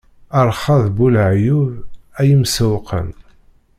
Rrxa d bu laɛyub,a yimsewwqen!